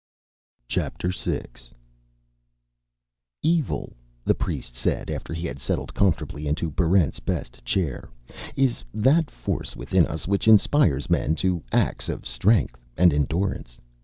Chapter Six "Evil," the priest said, after he had settled comfortably into Barrent's best chair, "is that force within us which inspires men to acts of strength and endurance.